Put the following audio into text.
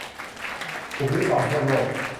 ถูกริดรอนทั่วโลก